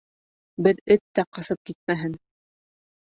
Бер эт тә ҡасып китмәһен.